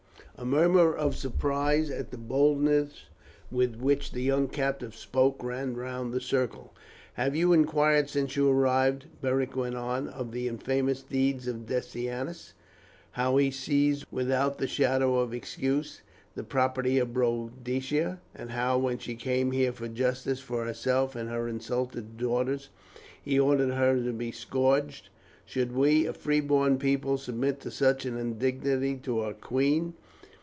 A murmur of surprise at the boldness with which the young captive spoke ran round the circle. "Have you inquired since you arrived," Beric went on, "of the infamous deeds of Decianus? How he seized, without the shadow of excuse, the property of Boadicea? and how, when she came here for justice for herself and her insulted daughters, he ordered her to be scourged? Should we, a free born people, submit to such an indignity to our queen?